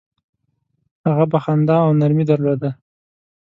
هغه به خندا او نرمي درلوده.